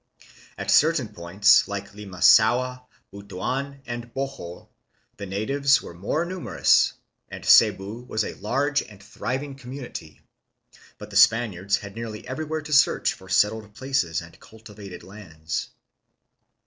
At certain points, like Lima saua, Butuan, and Bohol, the natives were more numer ous, and Cebu was a large and thriving community; but 83 THE FILIPINO PEOPLE BEFORE 1521. 89 the Spaniards had nearly everywhere to search for settled places and cultivated lands.